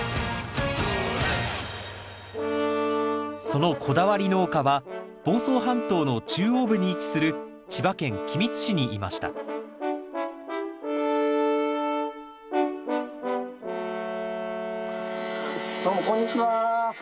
そのこだわり農家は房総半島の中央部に位置する千葉県君津市にいましたどうもこんにちは。